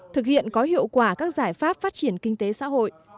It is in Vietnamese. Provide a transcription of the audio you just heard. thực hiện có hiệu quả các giải pháp phát triển kinh tế xã hội